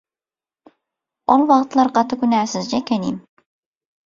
O wagtlar gaty günäsizje ekenim.